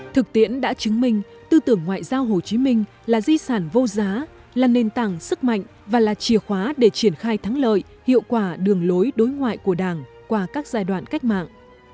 thực tiễn đã chứng minh tư tưởng ngoại giao hồ chí minh là di sản vô giá là nền tảng sức mạnh và là chìa khóa để triển khai thắng lợi hiệu quả đường lối đối ngoại của đảng qua các giai đoạn cách mạng